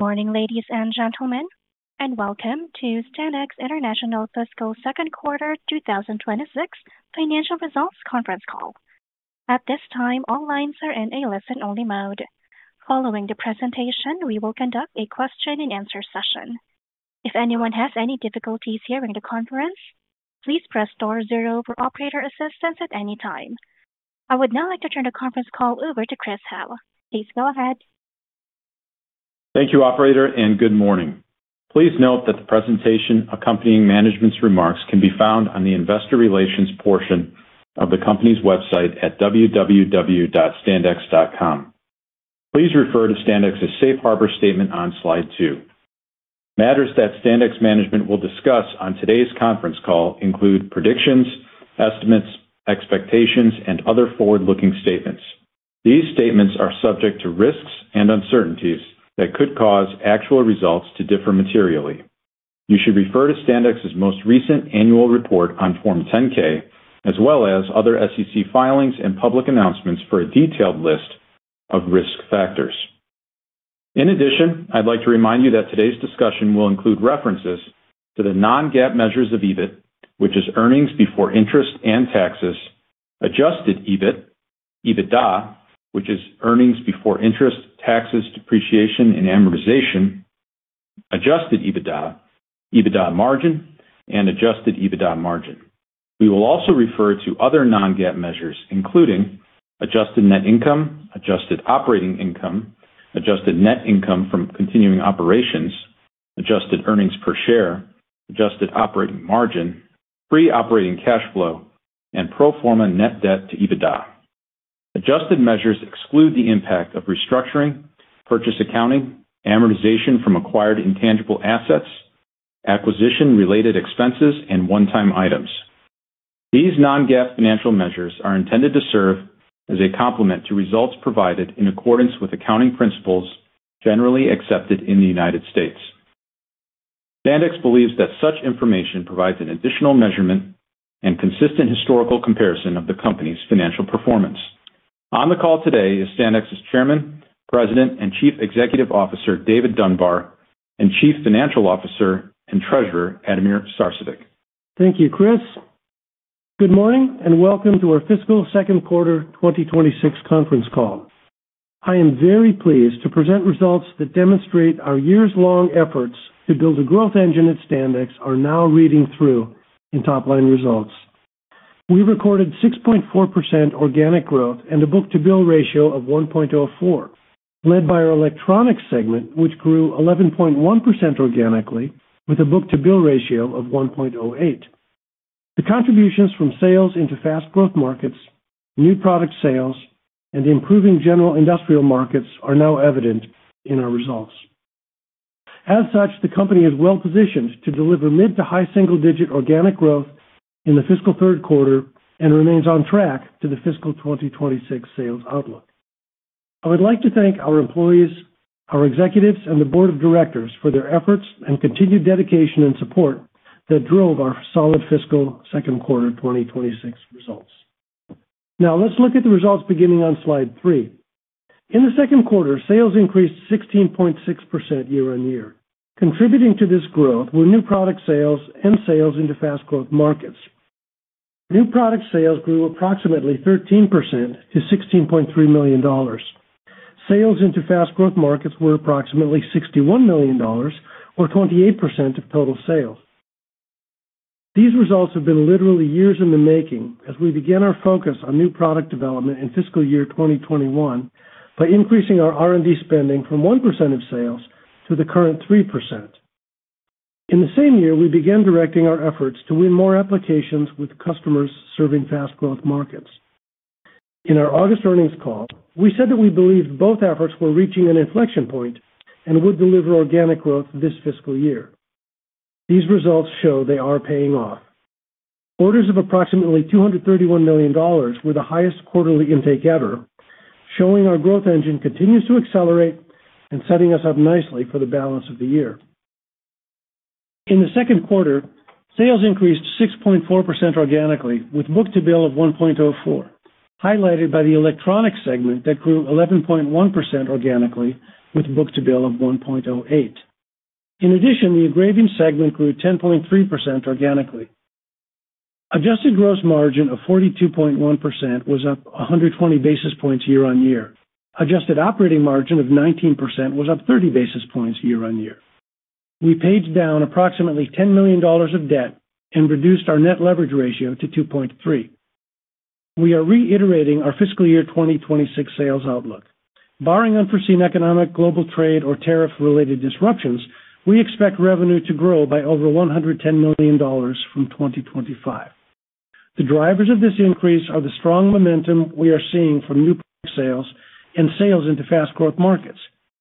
Good morning, ladies and gentlemen, and welcome to Standex International's Fiscal Second Quarter 2026 Financial Results Conference Call. At this time, all lines are in a listen-only mode. Following the presentation, we will conduct a question-and-answer session. If anyone has any difficulties hearing the conference, please press star zero for operator assistance at any time. I would now like to turn the conference call over to Chris Howell. Please go ahead. Thank you, operator, and good morning. Please note that the presentation accompanying management's remarks can be found on the investor relations portion of the company's website at www.standex.com. Please refer to Standex's Safe Harbor statement on slide two. Matters that Standex management will discuss on today's conference call include predictions, estimates, expectations, and other forward-looking statements. These statements are subject to risks and uncertainties that could cause actual results to differ materially. You should refer to Standex's most recent annual report on Form 10-K, as well as other SEC filings and public announcements, for a detailed list of risk factors. In addition, I'd like to remind you that today's discussion will include references to the non-GAAP measures of EBIT, which is earnings before interest and taxes, adjusted EBIT, EBITDA, which is earnings before interest, taxes, depreciation, and amortization, adjusted EBITDA, EBITDA margin, and adjusted EBITDA margin. We will also refer to other non-GAAP measures, including adjusted net income, adjusted operating income, adjusted net income from continuing operations, adjusted earnings per share, adjusted operating margin, free operating cash flow, and pro forma net debt to EBITDA. Adjusted measures exclude the impact of restructuring, purchase accounting, amortization from acquired intangible assets, acquisition-related expenses, and one-time items. These non-GAAP financial measures are intended to serve as a complement to results provided in accordance with accounting principles generally accepted in the United States. Standex believes that such information provides an additional measurement and consistent historical comparison of the company's financial performance. On the call today is Standex's Chairman, President, and Chief Executive Officer, David Dunbar, and Chief Financial Officer and Treasurer, Ademir Sarcevic. Thank you, Chris. Good morning, and welcome to our fiscal second quarter 2026 conference call. I am very pleased to present results that demonstrate our years-long efforts to build a growth engine at Standex are now reading through in top-line results. We recorded 6.4% organic growth and a book-to-bill ratio of 1.04, led by our Electronics segment, which grew 11.1% organically, with a book-to-bill ratio of 1.08. The contributions from sales into fast growth markets, new product sales, and improving general industrial markets are now evident in our results. As such, the company is well-positioned to deliver mid- to high single-digit organic growth in the fiscal third quarter and remains on track to the fiscal 2026 sales outlook. I would like to thank our employees, our executives, and the board of directors for their efforts and continued dedication and support that drove our solid fiscal second quarter 2026 results. Now, let's look at the results beginning on slide 3. In the second quarter, sales increased 16.6% year on year. Contributing to this growth were new product sales and sales into fast growth markets. New product sales grew approximately 13% to $16.3 million. Sales into fast growth markets were approximately $61 million or 28% of total sales. These results have been literally years in the making as we begin our focus on new product development in fiscal year 2021 by increasing our R&D spending from 1% of sales to the current 3%. In the same year, we began directing our efforts to win more applications with customers serving fast growth markets. In our August earnings call, we said that we believed both efforts were reaching an inflection point and would deliver organic growth this fiscal year. These results show they are paying off. Orders of approximately $231 million were the highest quarterly intake ever, showing our growth engine continues to accelerate and setting us up nicely for the balance of the year. In the second quarter, sales increased 6.4% organically, with book-to-bill of 1.04, highlighted by the Electronics segment that grew 11.1% organically, with book-to-bill of 1.08. In addition, the Engraving segment grew 10.3% organically. Adjusted gross margin of 42.1% was up 120 basis points year-over-year. Adjusted operating margin of 19% was up 30 basis points year-over-year. We paid down approximately $10 million of debt and reduced our net leverage ratio to 2.3. We are reiterating our fiscal year 2026 sales outlook. Barring unforeseen economic, global trade, or tariff-related disruptions, we expect revenue to grow by over $110 million from 2025. The drivers of this increase are the strong momentum we are seeing from new sales and sales into fast growth markets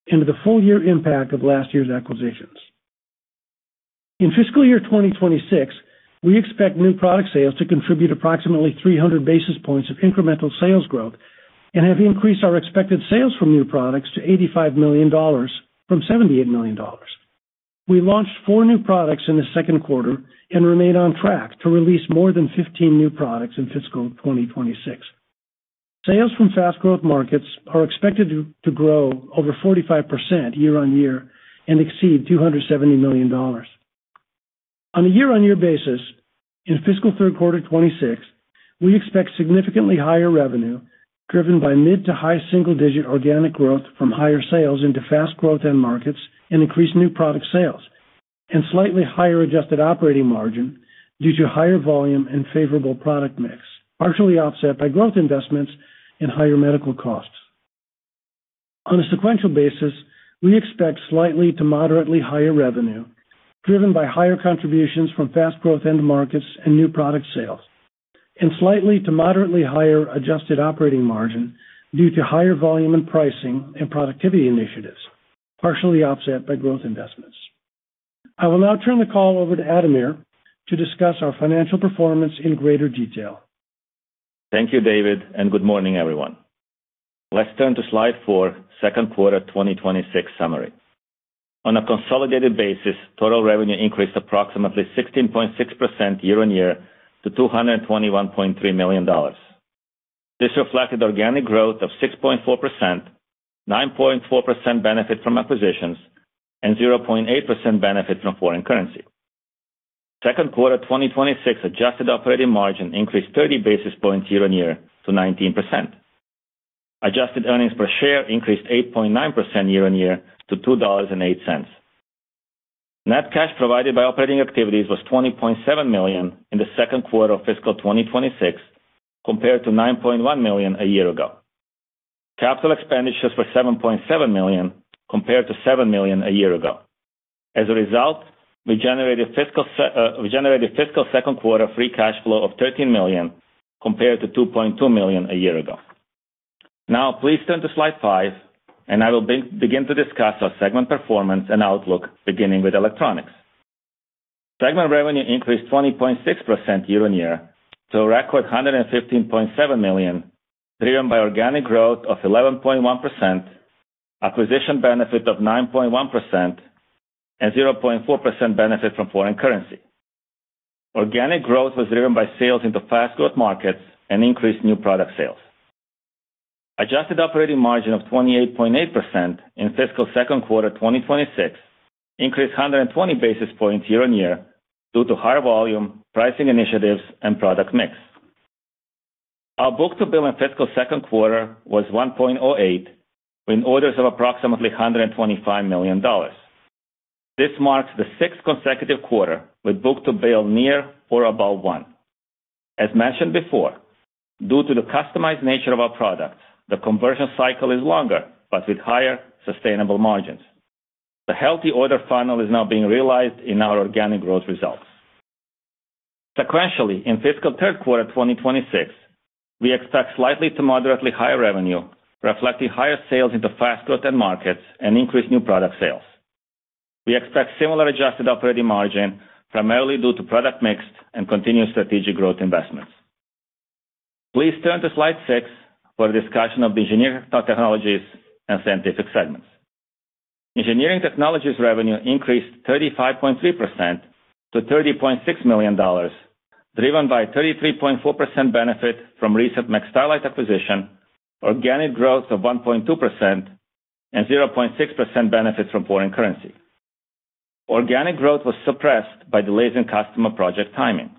and the full year impact of last year's acquisitions. In fiscal year 2026, we expect new product sales to contribute approximately 300 basis points of incremental sales growth and have increased our expected sales from new products to $85 million from $78 million. We launched 4 new products in the second quarter and remain on track to release more than 15 new products in fiscal 2026. Sales from fast growth markets are expected to grow over 45% year-on-year and exceed $270 million. On a year-on-year basis, in fiscal third quarter 2026, we expect significantly higher revenue, driven by mid- to high single-digit organic growth from higher sales into fast growth end markets and increased new product sales, and slightly higher adjusted operating margin due to higher volume and favorable product mix, partially offset by growth investments and higher medical costs. On a sequential basis, we expect slightly to moderately higher revenue, driven by higher contributions from fast growth end markets and new product sales, and slightly to moderately higher adjusted operating margin due to higher volume and pricing and productivity initiatives, partially offset by growth investments. I will now turn the call over to Ademir to discuss our financial performance in greater detail. Thank you, David, and good morning, everyone. Let's turn to slide 4, second quarter 2026 summary. On a consolidated basis, total revenue increased approximately 16.6% year-on-year to $221.3 million. This reflected organic growth of 6.4%, 9.4% benefit from acquisitions, and 0.8% benefit from foreign currency. Second quarter 2026 adjusted operating margin increased 30 basis points year-on-year to 19%. Adjusted earnings per share increased 8.9% year-on-year to $2.08. Net cash provided by operating activities was $20.7 million in the second quarter of fiscal 2026, compared to $9.1 million a year ago. Capital expenditures were $7.7 million, compared to $7 million a year ago. As a result, we generated fiscal second quarter free cash flow of $13 million, compared to $2.2 million a year ago. Now, please turn to slide 5, and I will begin to discuss our segment performance and outlook, beginning with electronics. Segment revenue increased 20.6% year-on-year to a record $115.7 million, driven by organic growth of 11.1%, acquisition benefit of 9.1%, and 0.4% benefit from foreign currency. Organic growth was driven by sales into fast growth markets and increased new product sales. Adjusted operating margin of 28.8% in fiscal second quarter 2026 increased 120 basis points year-on-year due to higher volume, pricing initiatives, and product mix. Our book-to-bill in fiscal second quarter was 1.08, with orders of approximately $125 million. This marks the sixth consecutive quarter with book-to-bill near or above 1. As mentioned before, due to the customized nature of our products, the conversion cycle is longer, but with higher sustainable margins. The healthy order funnel is now being realized in our organic growth results. Sequentially, in fiscal third quarter 2026, we expect slightly to moderately higher revenue, reflecting higher sales into fast growth end markets and increased new product sales. We expect similar adjusted operating margin, primarily due to product mix and continued strategic growth investments. Please turn to slide 6 for a discussion of the Engineering Technologies and Scientific segments. Engineering Technologies revenue increased 35.3% to $30.6 million, driven by a 33.4% benefit from recent McStarlite acquisition, organic growth of 1.2%, and 0.6% benefit from foreign currency. Organic growth was suppressed by delays in customer project timing.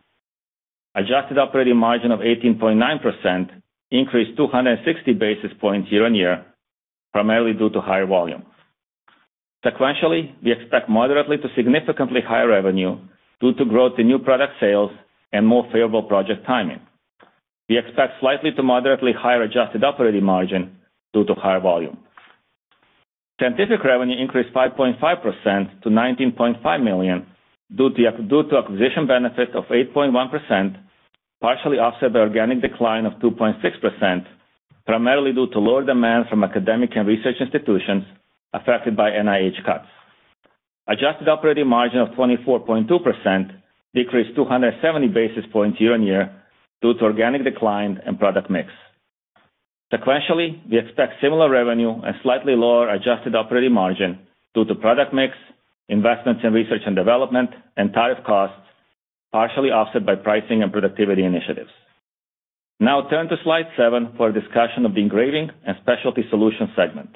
Adjusted operating margin of 18.9% increased 260 basis points year-on-year, primarily due to higher volume. Sequentially, we expect moderately to significantly higher revenue due to growth in new product sales and more favorable project timing. We expect slightly to moderately higher adjusted operating margin due to higher volume. Scientific revenue increased 5.5% to $19.5 million, due to acquisition benefit of 8.1%, partially offset by organic decline of 2.6%, primarily due to lower demand from academic and research institutions affected by NIH cuts. Adjusted operating margin of 24.2% decreased 270 basis points year-on-year due to organic decline and product mix. Sequentially, we expect similar revenue and slightly lower adjusted operating margin due to product mix, investments in research and development, and tariff costs, partially offset by pricing and productivity initiatives. Now turn to slide 7 for a discussion of the Engraving and Specialty Solutions segment.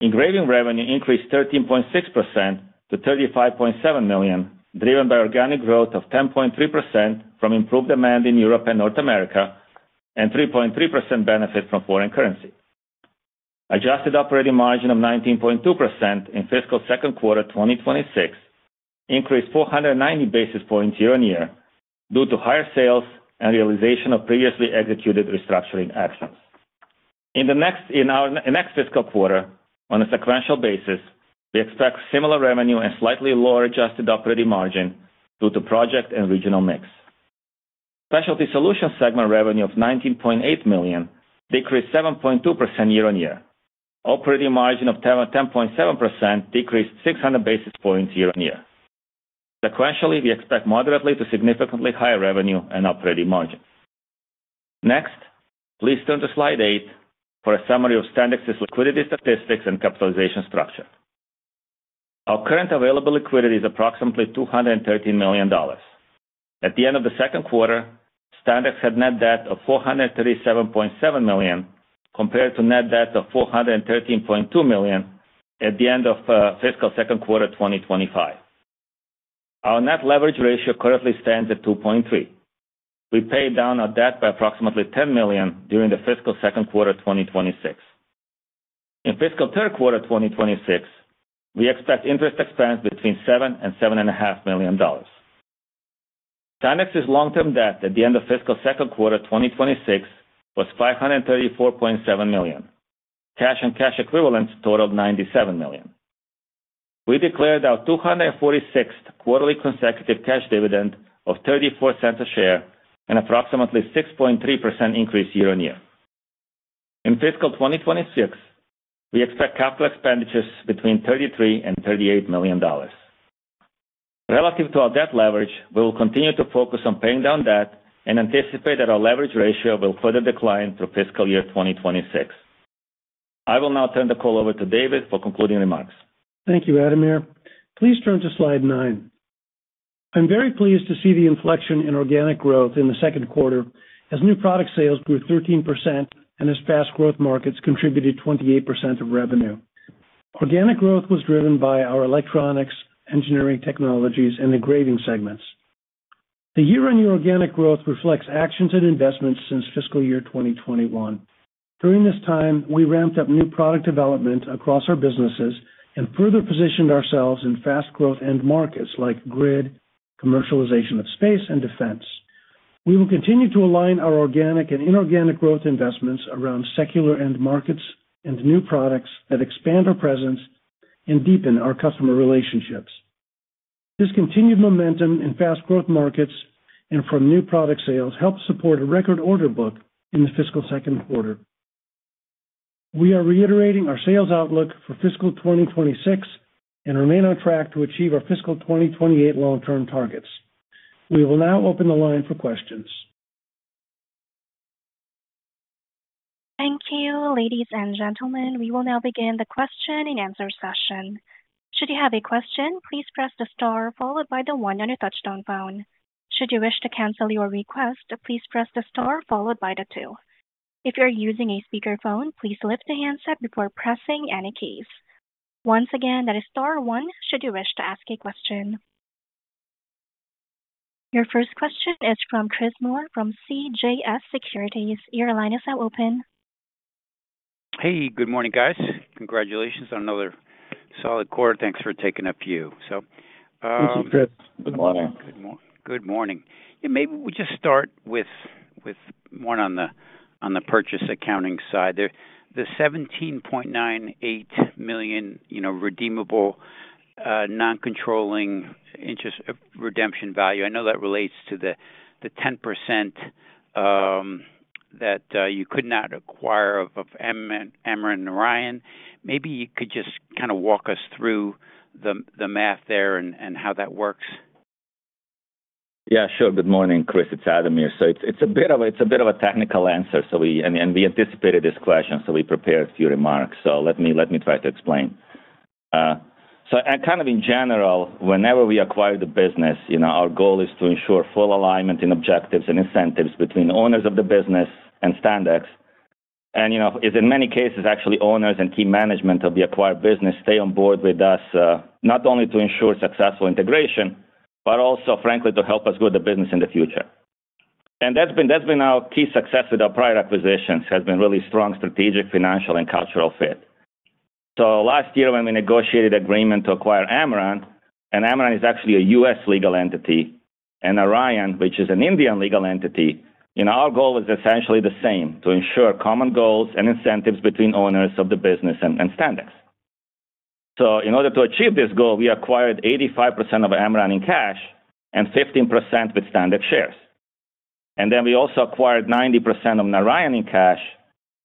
Engraving revenue increased 13.6% to $35.7 million, driven by organic growth of 10.3% from improved demand in Europe and North America, and 3.3% benefit from foreign currency. Adjusted operating margin of 19.2% in fiscal second quarter 2026 increased 490 basis points year-on-year due to higher sales and realization of previously executed restructuring actions. In our next fiscal quarter, on a sequential basis, we expect similar revenue and slightly lower adjusted operating margin due to project and regional mix. Specialty Solutions segment revenue of $19.8 million decreased 7.2% year-on-year. Operating margin of 10.7% decreased 600 basis points year-on-year. Sequentially, we expect moderately to significantly higher revenue and operating margin. Next, please turn to slide 8 for a summary of Standex's liquidity statistics and capitalization structure. Our current available liquidity is approximately $213 million. At the end of the second quarter, Standex had net debt of $437.7 million, compared to net debt of $413.2 million at the end of fiscal second quarter 2025. Our net leverage ratio currently stands at 2.3. We paid down our debt by approximately $10 million during the fiscal second quarter 2026. In fiscal third quarter 2026, we expect interest expense between $7 million-$7.5 million. Standex's long-term debt at the end of fiscal second quarter 2026 was $534.7 million. Cash and cash equivalents totaled $97 million. We declared our 246th quarterly consecutive cash dividend of $0.34 per share, an approximately 6.3% increase year-on-year. In fiscal 2026, we expect capital expenditures between $33 million and $38 million. Relative to our debt leverage, we will continue to focus on paying down debt and anticipate that our leverage ratio will further decline through fiscal year 2026. I will now turn the call over to David for concluding remarks. Thank you, Ademir. Please turn to slide 9. I'm very pleased to see the inflection in organic growth in the second quarter, as new product sales grew 13% and as fast growth markets contributed 28% of revenue. Organic growth was driven by our Electronics, Engineering Technologies, and Engraving segments. The year-on-year organic growth reflects actions and investments since fiscal year 2021. During this time, we ramped up new product development across our businesses and further positioned ourselves in fast growth end markets like grid, commercialization of space, and defense. We will continue to align our organic and inorganic growth investments around secular end markets and new products that expand our presence and deepen our customer relationships. This continued momentum in fast growth markets and from new product sales helped support a record order book in the fiscal second quarter. We are reiterating our sales outlook for fiscal 2026 and remain on track to achieve our fiscal 2028 long-term targets. We will now open the line for questions. Thank you, ladies and gentlemen. We will now begin the question-and-answer session. Should you have a question, please press the star followed by the 1 on your touchtone phone. Should you wish to cancel your request, please press the star followed by the 2. If you're using a speakerphone, please lift the handset before pressing any keys. Once again, that is star 1 should you wish to ask a question. Your first question is from Chris Moore from CJS Securities. Your line is now open. Hey, good morning, guys. Congratulations on another solid quarter. Thanks for taking a few. So, Thank you, Chris. Good morning. Good morning. Yeah, maybe we just start with more on the purchase accounting side. The $17.98 million, you know, redeemable non-controlling interest redemption value, I know that relates to the 10% that you could not acquire of Amran and Narayan. Maybe you could just kind of walk us through the math there and how that works. Yeah, sure. Good morning, Chris, it's Ademir. So it's a bit of a technical answer, so we and we anticipated this question, so we prepared a few remarks. So let me try to explain. So, and kind of in general, whenever we acquire the business, you know, our goal is to ensure full alignment in objectives and incentives between owners of the business and Standex. And, you know, as in many cases, actually, owners and key management of the acquired business stay on board with us, not only to ensure successful integration, but also, frankly, to help us grow the business in the future. And that's been our key success with our prior acquisitions: really strong strategic, financial, and cultural fit. So last year, when we negotiated agreement to acquire Amran, and Amran is actually a U.S. legal entity, and Narayan, which is an Indian legal entity, and our goal was essentially the same: to ensure common goals and incentives between owners of the business and, and Standex. So in order to achieve this goal, we acquired 85% of Amran in cash and 15% with Standex shares. And then we also acquired 90% of Narayan in cash,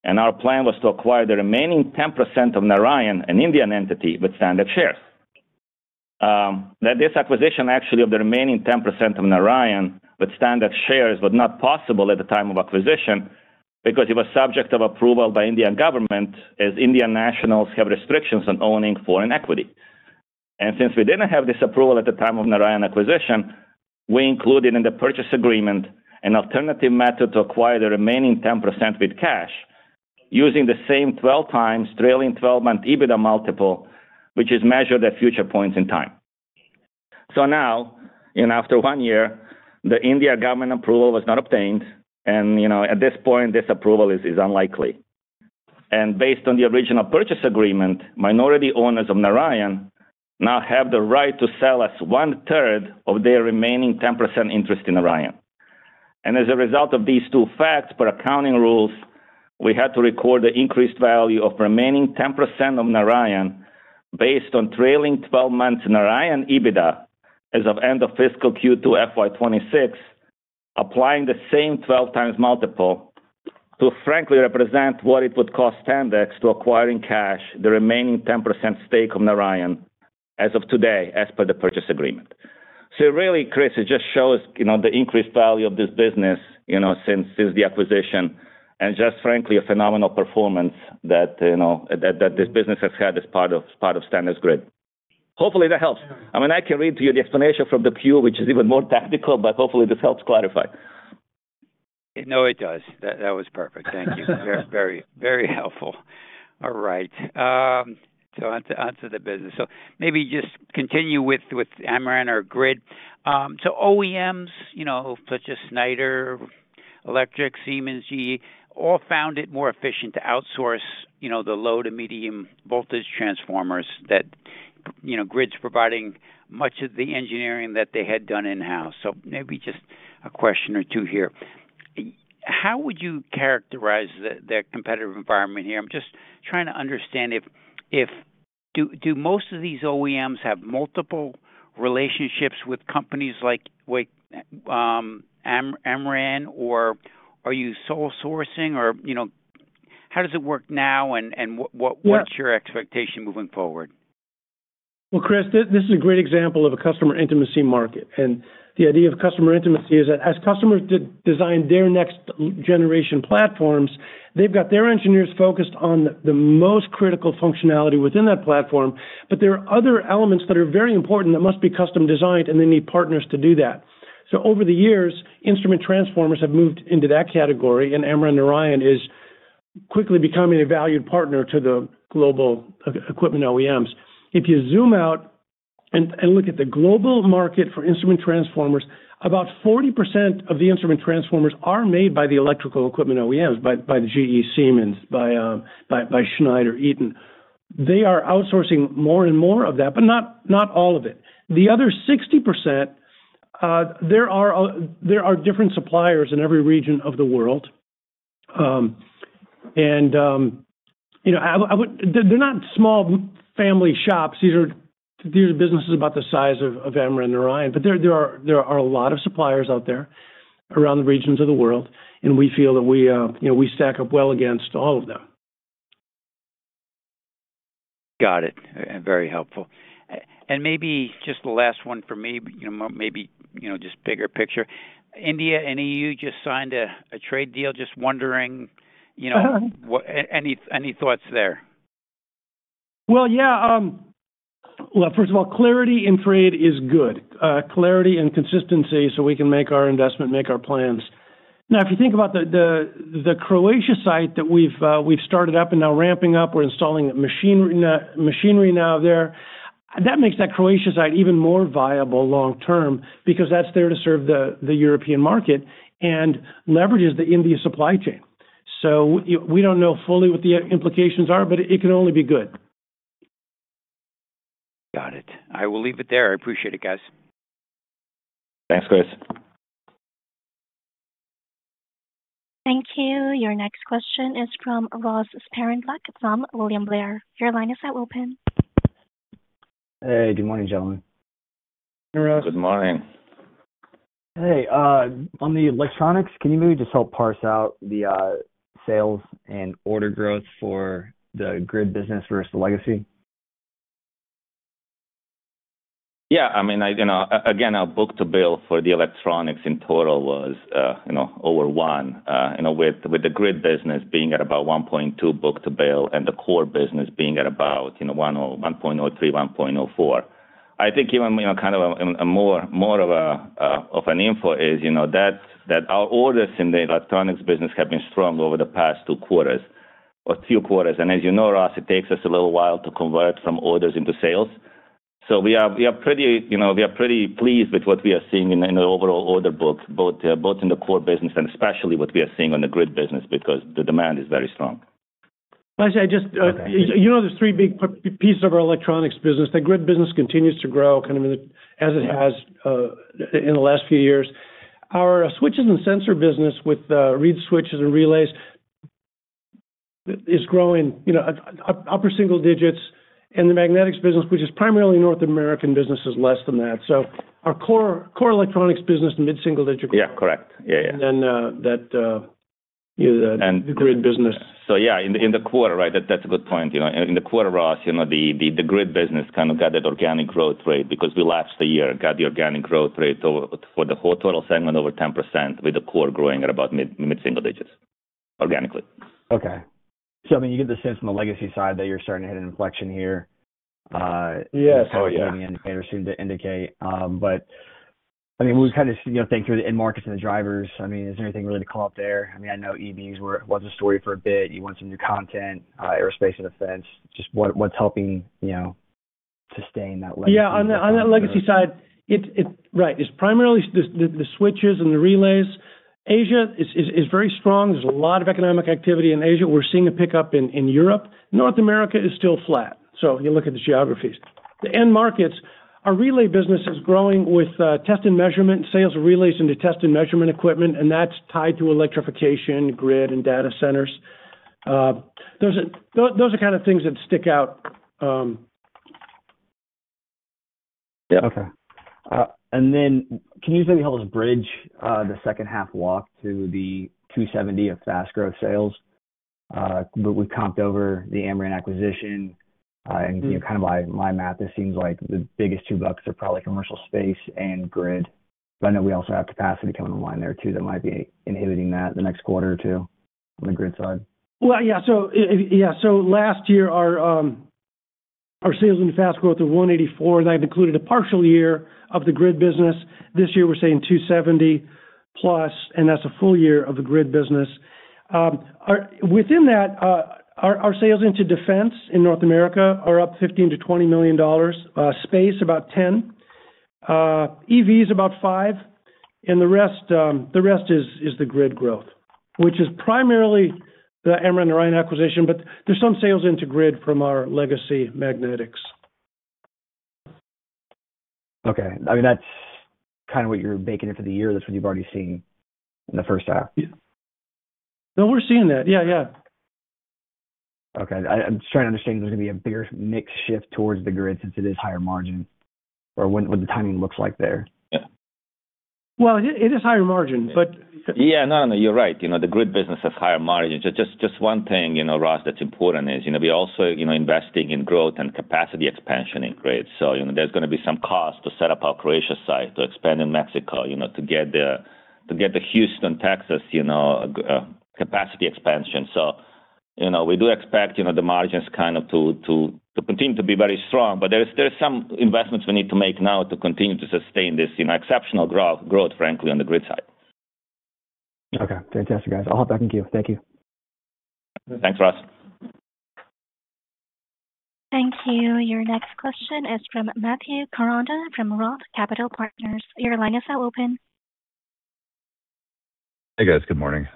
and our plan was to acquire the remaining 10% of Narayan, an Indian entity, with Standex shares. Now this acquisition actually of the remaining 10% of Narayan with Standex shares was not possible at the time of acquisition because it was subject of approval by Indian government, as Indian nationals have restrictions on owning foreign equity. Since we didn't have this approval at the time of Narayan acquisition, we included in the purchase agreement an alternative method to acquire the remaining 10% with cash, using the same 12x trailing twelve-month EBITDA multiple, which is measured at future points in time. So now, after 1 year, the Indian government approval was not obtained, and, you know, at this point, this approval is unlikely. Based on the original purchase agreement, minority owners of Narayan now have the right to sell us 1/3 of their remaining 10% interest in Narayan. And as a result of these two facts, per accounting rules, we had to record the increased value of remaining 10% of Narayan based on trailing twelve months Narayan EBITDA as of end of fiscal Q2 FY 2026, applying the same 12x multiple to frankly represent what it would cost Standex to acquire in cash the remaining 10% stake of Narayan as of today, as per the purchase agreement.... So really, Chris, it just shows, you know, the increased value of this business, you know, since, since the acquisition, and just frankly, a phenomenal performance that, you know, that, that this business has had as part of, part of Standex's Grid. Hopefully, that helps. I mean, I can read to you the explanation from the 10-Q, which is even more technical, but hopefully this helps clarify. No, it does. That, that was perfect. Thank you. Very, very helpful. All right, so on to, on to the business. So maybe just continue with, with Amran or Grid. So OEMs, you know, such as Schneider Electric, Siemens, GE, all found it more efficient to outsource, you know, the low to medium voltage transformers that, you know, Grid's providing much of the engineering that they had done in-house. So maybe just a question or two here. How would you characterize the competitive environment here? I'm just trying to understand if do most of these OEMs have multiple relationships with companies like, like, Amran, or are you sole sourcing? Or, you know, how does it work now, and, and what- Yeah. What's your expectation moving forward? Well, Chris, this is a great example of a customer intimacy market, and the idea of customer intimacy is that as customers design their next generation platforms, they've got their engineers focused on the most critical functionality within that platform. But there are other elements that are very important that must be custom-designed, and they need partners to do that. So over the years, instrument transformers have moved into that category, and Amran Narayan is quickly becoming a valued partner to the global equipment OEMs. If you zoom out and look at the global market for instrument transformers, about 40% of the instrument transformers are made by the electrical equipment OEMs, by the GE, Siemens, by Schneider, Eaton. They are outsourcing more and more of that, but not all of it. The other 60%, there are different suppliers in every region of the world. You know, they're not small family shops. These are businesses about the size of Amran Narayan, but there are a lot of suppliers out there around the regions of the world, and we feel that we, you know, we stack up well against all of them. Got it. Very helpful. And maybe just the last one for me, you know, maybe, you know, just bigger picture. India and EU just signed a trade deal. Just wondering, you know- Uh-huh. Any thoughts there? Well, yeah. Well, first of all, clarity in trade is good. Clarity and consistency so we can make our investment, make our plans. Now, if you think about the Croatia site that we've started up and now ramping up, we're installing machinery now there. That makes that Croatia site even more viable long term because that's there to serve the European market and leverages the India supply chain. So we don't know fully what the implications are, but it can only be good. Got it. I will leave it there. I appreciate it, guys. Thanks, Chris. Thank you. Your next question is from Ross Sparenblek from William Blair. Your line is now open. Hey, good morning, gentlemen. Good morning. Good morning. Hey, on the electronics, can you maybe just help parse out the sales and order growth for the Grid business versus the legacy? Yeah, I mean, I, you know, again, our book-to-bill for the Electronics in total was, you know, over 1, you know, with, with the grid business being at about 1.2 book-to-bill, and the core business being at about, you know, 1 or 1.03, 1.04. I think even, you know, kind of a more of an info is, you know, that, that our orders in the Electronics business have been strong over the past 2 quarters or few quarters. And as you know, Ross, it takes us a little while to convert from orders into sales. So we are pretty pleased, you know, with what we are seeing in the overall order book, both in the core business and especially what we are seeing on the Grid business, because the demand is very strong. I'd just, Okay. You know, there's three big pieces of our Electronics business. The Grid business continues to grow, kind of, as it has in the last few years. Our switches and sensors business with reed switches and relays is growing, you know, upper single digits, and the magnetics business, which is primarily North American business, is less than that. So our core Electronics business is mid-single digit. Yeah, correct. Yeah, yeah. And then that is. And- The Grid business. So yeah, in the quarter, right, that's a good point. You know, in the quarter, Ross, you know, the grid business kind of got that organic growth rate because we lapped the year, got the organic growth rate for the whole total segment over 10%, with the core growing at about mid-single digits, organically. Okay. So, I mean, you get the sense from the legacy side that you're starting to hit an inflection here. Yes. Oh, yeah. seemed to indicate. But I mean, we kind of, you know, think through the end markets and the drivers. I mean, is there anything really to call out there? I mean, I know EVs was a story for a bit. You want some new content, aerospace and defense. Just what's helping, you know, sustain that legacy? Yeah, on the legacy side, it's... Right, it's primarily the switches and the relays. Asia is very strong. There's a lot of economic activity in Asia. We're seeing a pickup in Europe. North America is still flat, so you look at the geographies. The end markets, our relay business is growing with test and measurement, sales relays into test and measurement equipment, and that's tied to electrification, grid, and data centers. Those are kind of things that stick out. Yeah, okay. And then can you maybe help us bridge the second half walk to the $270 million of fast growth sales? But we comped over the Amran acquisition. You know, kind of by my math, it seems like the biggest $2 million are probably commercial space and grid. But I know we also have capacity coming online there, too, that might be inhibiting that in the next quarter or 2 on the grid side. Well, yeah. So, yeah, so last year, our sales and fast growth were $184 million, and that included a partial year of the grid business. This year, we're saying $270+ million, and that's a full year of the grid business. Our sales into defense in North America are up $15-$20 million, space about $10 million, EVs about $5 million, and the rest, the rest is the grid growth, which is primarily the Amran and Narayan acquisition. But there's some sales into grid from our legacy magnetics. Okay. I mean, that's kind of what you're baking it for the year. That's what you've already seen in the first half? Yeah. No, we're seeing that. Yeah, yeah. Okay. I'm just trying to understand if there's gonna be a bigger mix shift towards the grid, since it is higher margin, or when, what the timing looks like there? Yeah. Well, it is higher margin, but- Yeah, no, no, you're right. You know, the grid business has higher margins. Just one thing, you know, Ross, that's important is, you know, we're also, you know, investing in growth and capacity expansion in grid. So, you know, there's gonna be some cost to set up our Croatia site, to expand in Mexico, you know, to get the Houston, Texas, you know, capacity expansion. So, you know, we do expect, you know, the margins kind of to continue to be very strong. But there is, there are some investments we need to make now to continue to sustain this, you know, exceptional growth, frankly, on the grid side. Okay. Fantastic, guys. I'll hop back in queue. Thank you. Thanks, Ross. Thank you. Your next question is from Matt Koranda from Roth Capital Partners. Your line is now open. Hey, guys. Good morning.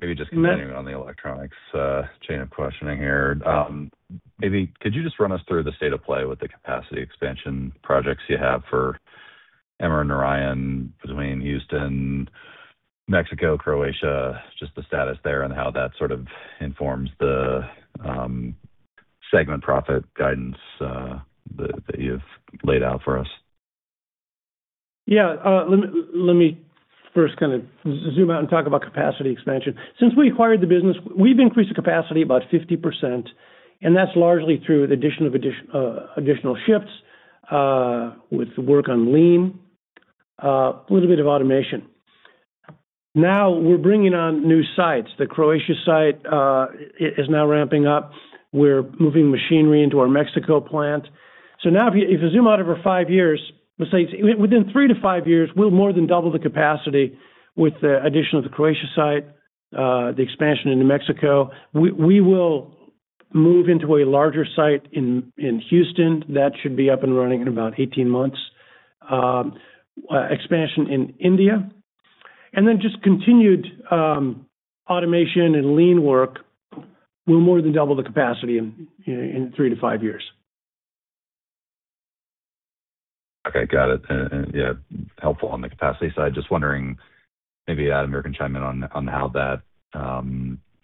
Maybe just continuing on the electronics chain of questioning here. Maybe could you just run us through the state of play with the capacity expansion projects you have for Amran, Narayan, between Houston, Mexico, Croatia, just the status there and how that sort of informs the segment profit guidance that you've laid out for us? Yeah, let me first kind of zoom out and talk about capacity expansion. Since we acquired the business, we've increased the capacity about 50%, and that's largely through the addition of additional shifts, with the work on lean, a little bit of automation. Now we're bringing on new sites. The Croatia site is now ramping up. We're moving machinery into our Mexico plant. So now, if you zoom out over five years, let's say within three to five years, we'll more than double the capacity with the addition of the Croatia site, the expansion into Mexico. We will move into a larger site in Houston. That should be up and running in about 18 months. expansion in India, and then just continued automation and Lean work will more than double the capacity in, you know, in 3-5 years. Okay, got it. And, yeah, helpful on the capacity side. Just wondering, maybe, Ademir, can chime in on, on how that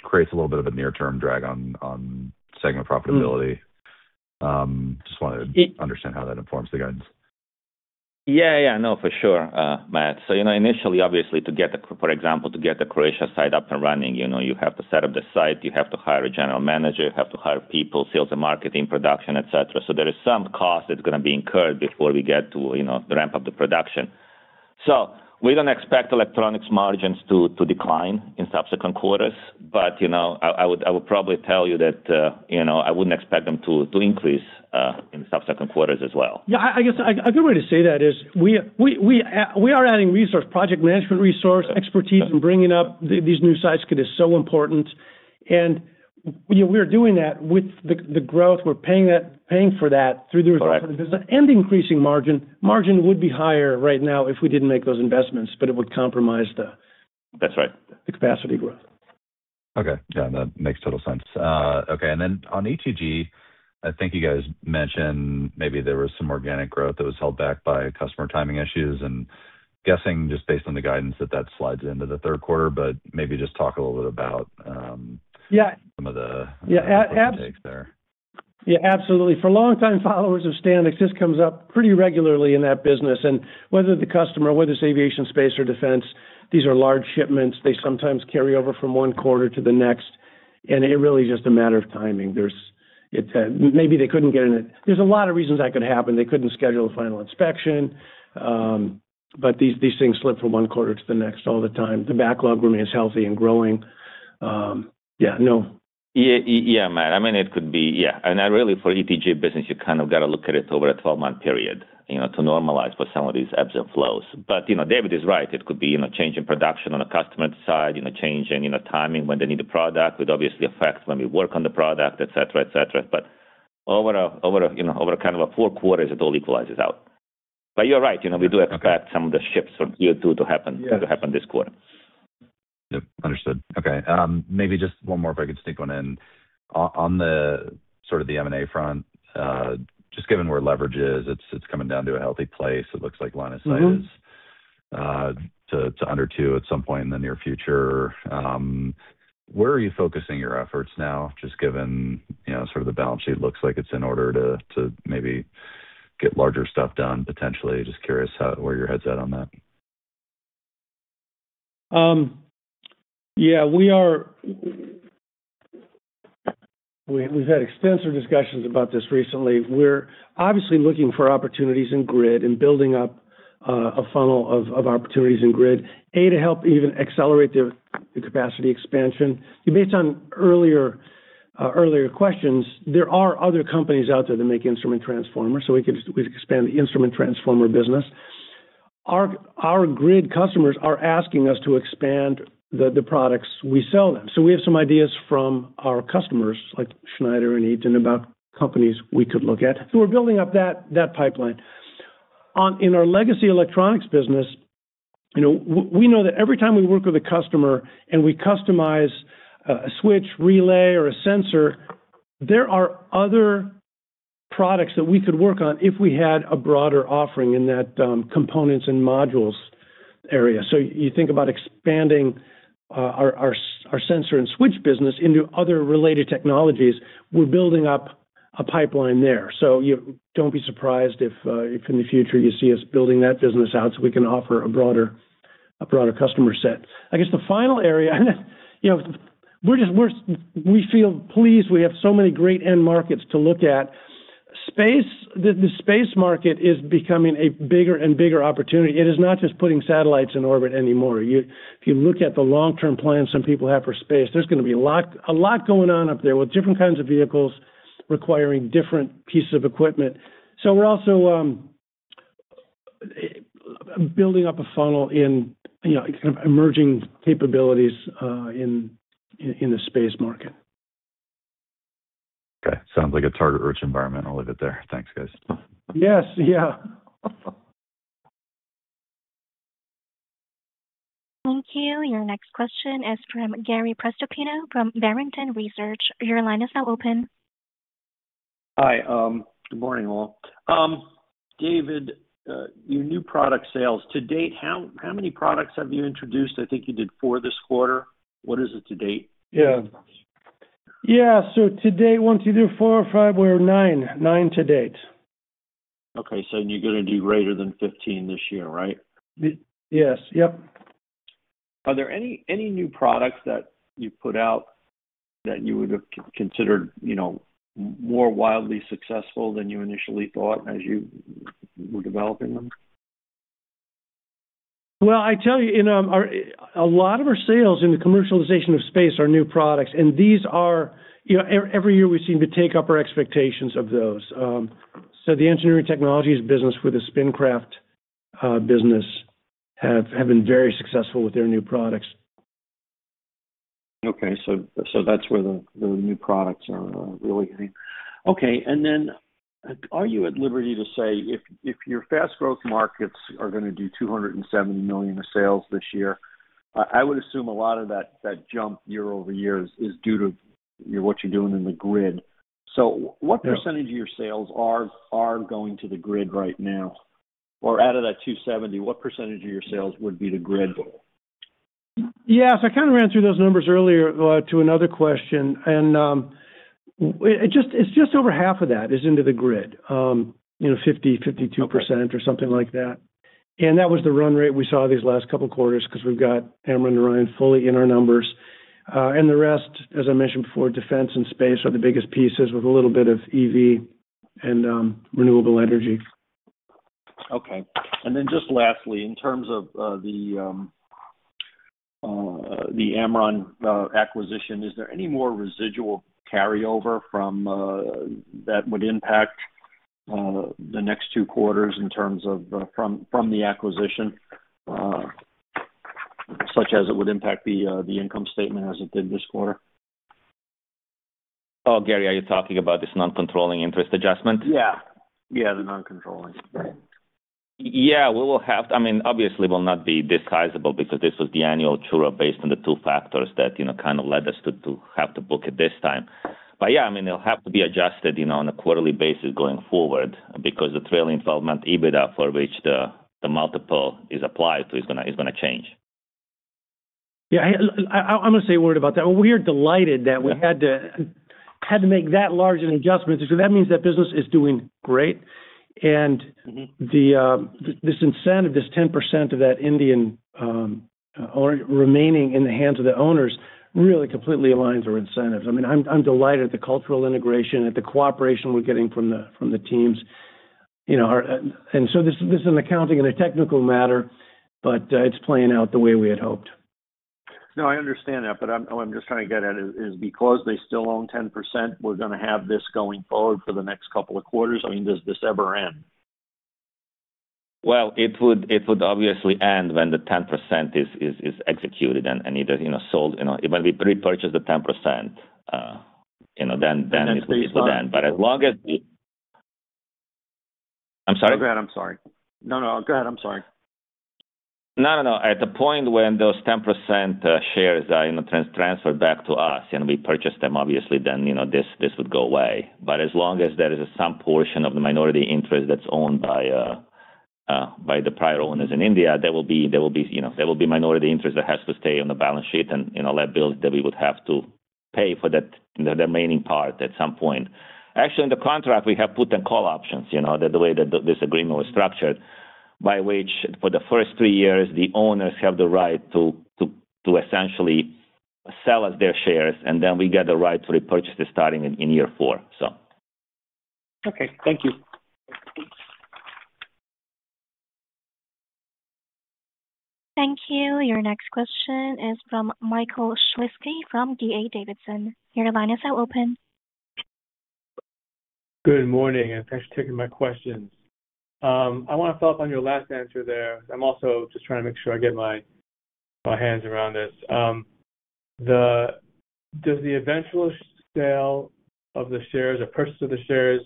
creates a little bit of a near-term drag on, on segment profitability. Just wanted to understand how that informs the guidance. Yeah, yeah, I know for sure, Matt. So, you know, initially, obviously, to get the... for example, to get the Croatia site up and running, you know, you have to set up the site, you have to hire a general manager, you have to hire people, sales and marketing, production, et cetera. So there is some cost that's gonna be incurred before we get to, you know, the ramp up the production. So we don't expect electronics margins to decline in subsequent quarters. But, you know, I would probably tell you that, you know, I wouldn't expect them to increase in subsequent quarters as well. Yeah, I guess a good way to say that is we are adding resource, project management, resource, expertise, and bringing up these new sites because it is so important. You know, we're doing that with the growth. We're paying for that through the- Correct... and increasing margin. Margin would be higher right now if we didn't make those investments, but it would compromise the- That's right the capacity growth. Okay, yeah, that makes total sense. Okay, and then on ETG, I think you guys mentioned maybe there was some organic growth that was held back by customer timing issues, and guessing, just based on the guidance, that that slides into the third quarter. But maybe just talk a little bit about, Yeah -some of the- Yeah, ab- -takes there. Yeah, absolutely. For longtime followers of Standex, this comes up pretty regularly in that business. Whether the customer, whether it's aviation, space, or defense, these are large shipments. They sometimes carry over from one quarter to the next, and it really is just a matter of timing. It's a-- maybe they couldn't get in it. There's a lot of reasons that could happen. They couldn't schedule a final inspection, but these, these things slip from one quarter to the next all the time. The backlog remains healthy and growing. Yeah, no. Yeah, yeah, Matt, I mean, it could be... Yeah, and really, for ETG business, you kind of got to look at it over a 12-month period, you know, to normalize with some of these ebbs and flows. But, you know, David is right. It could be, you know, change in production on a customer side, you know, change in, you know, timing, when they need a product, would obviously affect when we work on the product, et cetera, et cetera. But over a, over a, you know, over a kind of a four quarters, it all equalizes out. But you're right, you know, we do expect some of the shifts from Q2 to happen- Yes to happen this quarter. Yep, understood. Okay, maybe just one more, if I could sneak one in. On the sort of the M&A front, just given where leverage is, it's coming down to a healthy place. It looks like line of sight- Mm-hmm... to under two at some point in the near future. Where are you focusing your efforts now, just given, you know, sort of the balance sheet looks like it's in order to maybe get larger stuff done, potentially? Just curious how, where your head's at on that.... Yeah, we are, we, we've had extensive discussions about this recently. We're obviously looking for opportunities in grid and building up a funnel of, of opportunities in grid, A, to help even accelerate the, the capacity expansion. And based on earlier, earlier questions, there are other companies out there that make instrument transformers, so we could expand the instrument transformer business. Our grid customers are asking us to expand the products we sell them. So we have some ideas from our customers, like Schneider and Eaton, about companies we could look at. So we're building up that pipeline. In our legacy electronics business, you know, we know that every time we work with a customer and we customize a switch, relay, or a sensor, there are other products that we could work on if we had a broader offering in that components and modules area. So you think about expanding our sensor and switch business into other related technologies, we're building up a pipeline there. So you don't be surprised if in the future you see us building that business out so we can offer a broader customer set. I guess the final area, you know, we're just we feel pleased we have so many great end markets to look at. Space, the space market is becoming a bigger and bigger opportunity. It is not just putting satellites in orbit anymore. If you look at the long-term plans some people have for space, there's gonna be a lot, a lot going on up there with different kinds of vehicles requiring different pieces of equipment. So we're also building up a funnel in, you know, kind of emerging capabilities in the space market. Okay, sounds like a target-rich environment. I'll leave it there. Thanks, guys. Yes. Yeah. Thank you. Your next question is from Gary Prestopino from Barrington Research. Your line is now open. Hi, good morning, all. David, your new product sales, to date, how many products have you introduced? I think you did four this quarter. What is it to date? Yeah. Yeah, so to date, once you do 4 or 5, we're 9. 9 to date. Okay, so you're gonna do greater than 15 this year, right? Yes. Yep. Are there any new products that you put out that you would have considered, you know, more wildly successful than you initially thought as you were developing them? Well, I tell you, in our, a lot of our sales in the commercialization of space are new products, and these are... You know, every year, we seem to take up our expectations of those. So the Engineering Technologies business with the Spincraft business have been very successful with their new products. Okay, so that's where the new products are really hitting. Okay, and then are you at liberty to say if your fast growth markets are gonna do $270 million in sales this year? I would assume a lot of that jump year-over-year is due to what you're doing in the grid. Yeah. So what percentage of your sales are going to the grid right now? Or out of that 270, what percentage of your sales would be the grid? Yes, I kind of ran through those numbers earlier, to another question, and, it just, it's just over half of that is into the grid. You know, 50, 52%- Okay. - or something like that. And that was the run rate we saw these last couple of quarters because we've got Amran fully in our numbers. And the rest, as I mentioned before, defense and space are the biggest pieces, with a little bit of EV and renewable energy. Okay. And then just lastly, in terms of the Amran acquisition, is there any more residual carryover from that would impact the next two quarters in terms of from the acquisition, such as it would impact the income statement as it did this quarter? Oh, Gary, are you talking about this non-controlling interest adjustment? Yeah. Yeah, the non-controlling. Right. Yeah, we will have... I mean, obviously, will not be this sizable because this was the annual true-up based on the two factors that, you know, kind of led us to have to book it this time. But yeah, I mean, it'll have to be adjusted, you know, on a quarterly basis going forward because the trailing twelve-month EBITDA for which the multiple is applied to is gonna change. Yeah, I'm gonna say a word about that. We are delighted that we had to make that large an adjustment, because that means that business is doing great. Mm-hmm. This incentive, this 10% of that Indian remaining in the hands of the owners, really completely aligns our incentives. I mean, I'm delighted at the cultural integration, at the cooperation we're getting from the teams. You know, our and so this is an accounting and a technical matter, but it's playing out the way we had hoped. No, I understand that, but what I'm just trying to get at is, because they still own 10%, we're gonna have this going forward for the next couple of quarters? I mean, does this ever end? Well, it would obviously end when the 10% is executed and either, you know, sold, you know, when we repurchase the 10%, you know, then it would end. Then based on- As long as... I'm sorry? Oh, go ahead. I'm sorry. No, no, go ahead. I'm sorry. No, no, no. At the point when those 10% shares are, you know, transferred back to us and we purchase them, obviously, then, you know, this, this would go away. But as long as there is some portion of the minority interest that's owned by the prior owners in India, there will be, there will be, you know, there will be minority interest that has to stay on the balance sheet, and, you know, that we would have to pay for that, the remaining part at some point. Actually, in the contract, we have put the call options, you know, the way that this agreement was structured, by which for the first three years, the owners have the right to essentially sell us their shares, and then we get the right to repurchase the starting in year four, so. Okay, thank you. Thank you. Your next question is from Michael Shlisky from D.A. Davidson. Your line is now open. Good morning, and thanks for taking my questions. I want to follow up on your last answer there. I'm also just trying to make sure I get my, my hands around this. The eventual sale of the shares or purchase of the shares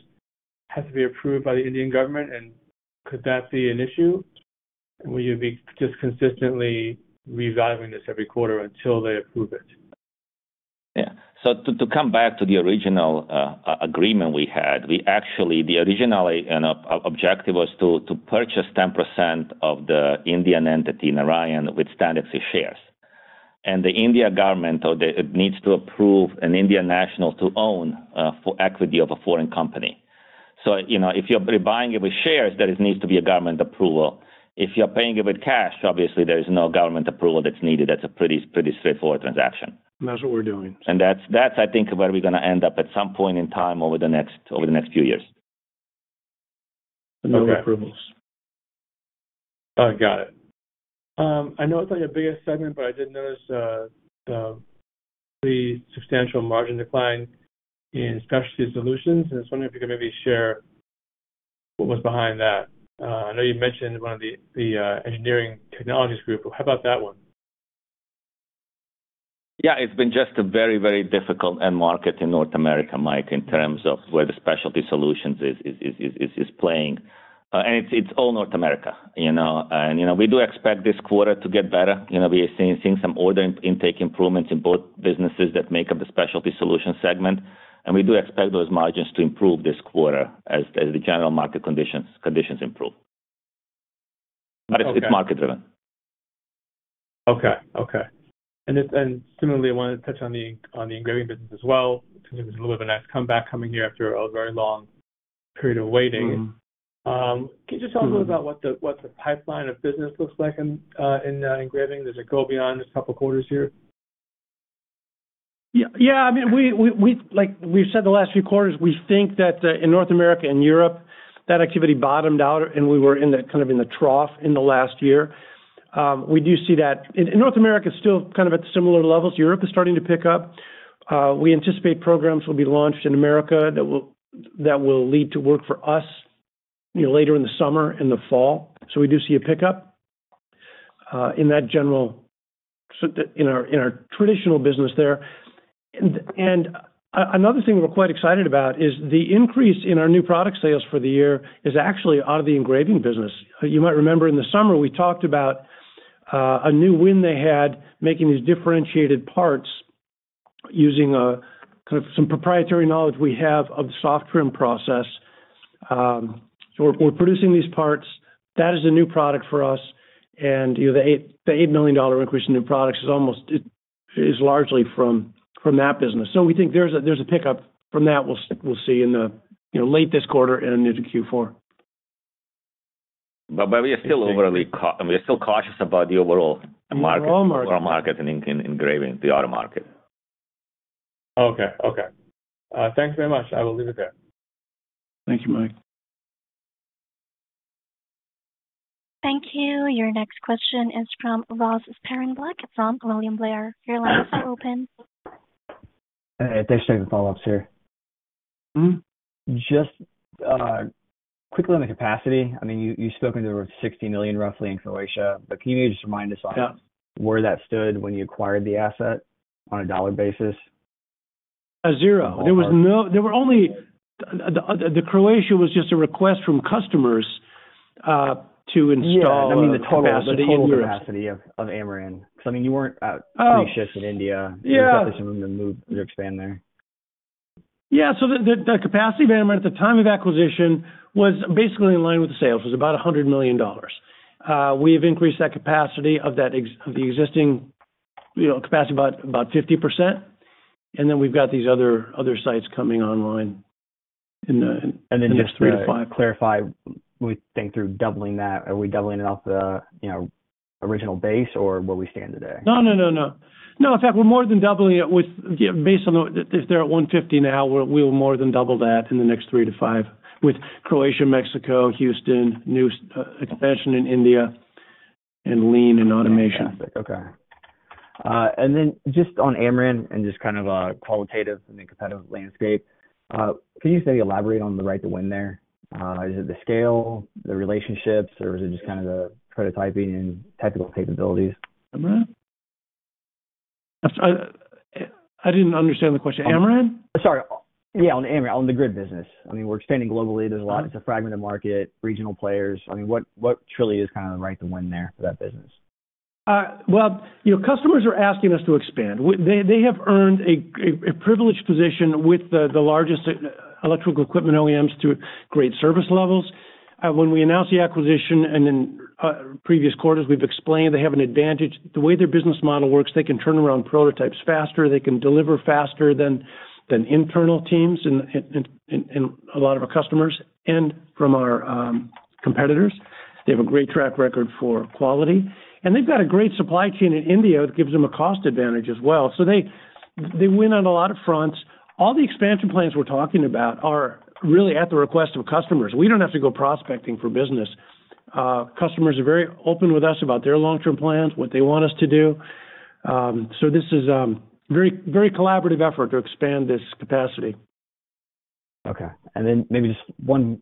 have to be approved by the Indian government, and could that be an issue? Will you be just consistently reevaluating this every quarter until they approve it? Yeah. So to come back to the original agreement we had, we actually, the original objective was to purchase 10% of the Indian entity, Narayan, with Standex shares. And the Indian government, or the... It needs to approve an Indian national to own for equity of a foreign company. So, you know, if you're buying it with shares, there needs to be a government approval. If you're paying it with cash, obviously there is no government approval that's needed. That's a pretty straightforward transaction. That's what we're doing. And that's, I think, where we're going to end up at some point in time over the next few years. Okay. No approvals. Oh, got it. I know it's not your biggest segment, but I did notice the substantial margin decline in Specialty Solutions, and I was wondering if you could maybe share what was behind that. I know you mentioned one of the Engineering Technologies group. How about that one? Yeah, it's been just a very, very difficult end market in North America, Mike, in terms of where the Specialty Solutions is playing. And it's all North America, you know. And, you know, we do expect this quarter to get better. You know, we are seeing some order intake improvements in both businesses that make up the Specialty Solutions segment, and we do expect those margins to improve this quarter as the general market conditions improve. But it's market driven. Okay. Okay. And just, and similarly, I wanted to touch on the, on the engraving business as well, because it was a little bit of a nice comeback coming here after a very long period of waiting. Mm-hmm. Can you just tell me a little about what the pipeline of business looks like in Engraving? Does it go beyond just couple quarters here? Yeah, yeah. I mean, we like we've said the last few quarters, we think that in North America and Europe, that activity bottomed out, and we were in the kind of in the trough in the last year. We do see that in North America, it's still kind of at similar levels. Europe is starting to pick up. We anticipate programs will be launched in America that will lead to work for us, you know, later in the summer and the fall. So we do see a pickup in that general, so the in our traditional business there. And another thing we're quite excited about is the increase in our new product sales for the year is actually out of the engraving business. You might remember in the summer, we talked about a new win they had making these differentiated parts using kind of some proprietary knowledge we have of soft trim process. So we're producing these parts. That is a new product for us. And, you know, the eight million dollar increase in new products is almost, it is largely from that business. So we think there's a pickup from that we'll see in the, you know, late this quarter and into Q4. But we are still overly cautious about the overall market. The raw market. Raw market in engraving, the auto market. Okay. Okay. Thank you very much. I will leave it there. Thank you, Mike. Thank you. Your next question is from Ross Sparenblek at William Blair. Your line is now open. Hey, thanks. Just follow-ups here. Mm-hmm. Just, quickly on the capacity. I mean, you, you've spoken to over $60 million roughly in Croatia, but can you just remind us on- Yeah Where that stood when you acquired the asset on a dollar basis? Uh, zero. All right. There were only the Croatia was just a request from customers to install- Yeah, I mean, the total, the total capacity of Amran. So I mean, you weren't precious in India. Yeah. There's definitely some room to move to expand there. Yeah, so the capacity of Amran at the time of acquisition was basically in line with the sales. It was about $100 million. We've increased that capacity of the existing, you know, capacity about 50%, and then we've got these other sites coming online in the- And then just to clarify, we think through doubling that, are we doubling it off the, you know, original base, or where we stand today? No, no, no, no. No, in fact, we're more than doubling it with, yeah, based on the... If they're at 150 now, we'll, we'll more than double that in the next 3-5 with Croatia, Mexico, Houston, new expansion in India, and lean and automation. Fantastic. Okay. And then just on Amran and just kind of qualitative and the competitive landscape, can you elaborate on the right to win there? Is it the scale, the relationships, or is it just kind of the prototyping and technical capabilities? Amran? I didn't understand the question. Amran? Sorry. Yeah, on Amran, on the grid business. I mean, we're expanding globally. There's a lot- Got it. It's a fragmented market, regional players. I mean, what, what truly is kind of the right to win there for that business? Well, you know, customers are asking us to expand. They have earned a privileged position with the largest electrical equipment OEMs to create service levels. When we announced the acquisition, and then previous quarters, we've explained they have an advantage. The way their business model works, they can turn around prototypes faster. They can deliver faster than internal teams in a lot of our customers and from our competitors. They have a great track record for quality, and they've got a great supply chain in India, which gives them a cost advantage as well. So they win on a lot of fronts. All the expansion plans we're talking about are really at the request of customers. We don't have to go prospecting for business. Customers are very open with us about their long-term plans, what they want us to do. So this is very, very collaborative effort to expand this capacity. Okay. And then maybe just one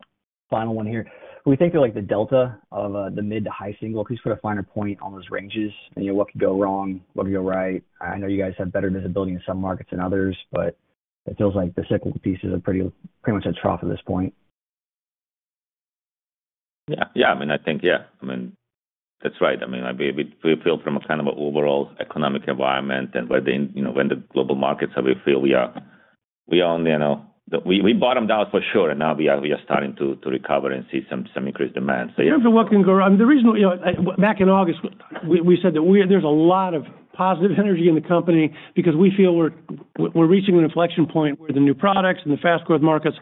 final one here. We think of, like, the delta of, the mid to high single, at least put a finer point on those ranges and, you know, what could go wrong? What could go right? I know you guys have better visibility in some markets than others, but it feels like the cyclical pieces are pretty, pretty much at trough at this point. Yeah. Yeah, I mean, I think, yeah, I mean, that's right. I mean, we, we feel from a kind of an overall economic environment and where the, you know, when the global markets, how we feel we are, we are on the, you know... We, we bottomed out for sure, and now we are, we are starting to, to recover and see some, some increased demand. So yeah. In terms of what can go wrong, the reason, you know, back in August, we said that there's a lot of positive energy in the company because we feel we're reaching an inflection point where the new products and the fast growth markets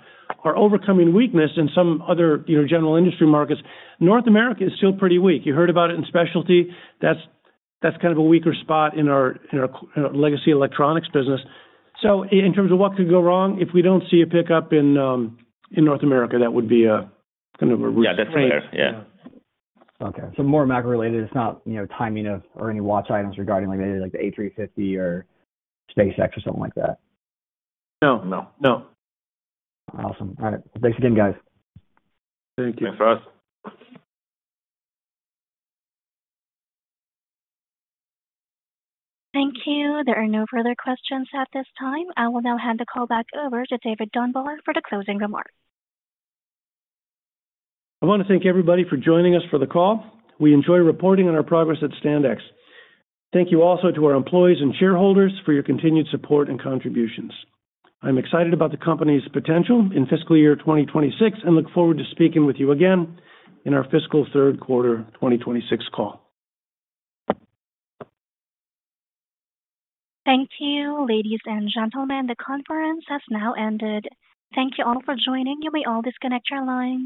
are overcoming weakness in some other, you know, general industry markets. North America is still pretty weak. You heard about it in specialty. That's kind of a weaker spot in our legacy electronics business. So in terms of what could go wrong, if we don't see a pickup in North America, that would be a kind of a- Yeah, that's fair. Yeah. Okay, so more macro-related. It's not, you know, timing of or any watch items regarding, like, maybe like the A350 or SpaceX or something like that. No. No. No. Awesome. All right. Thanks again, guys. Thank you. Thanks, Ross. Thank you. There are no further questions at this time. I will now hand the call back over to David Dunbar for the closing remarks. I want to thank everybody for joining us for the call. We enjoy reporting on our progress at Standex. Thank you also to our employees and shareholders for your continued support and contributions. I'm excited about the company's potential in fiscal year 2026 and look forward to speaking with you again in our fiscal third quarter 2026 call. Thank you, ladies and gentlemen, the conference has now ended. Thank you all for joining. You may all disconnect your lines.